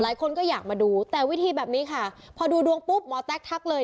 หลายคนก็อยากมาดูแต่วิธีแบบนี้ค่ะพอดูดวงปุ๊บหมอแต๊กทักเลย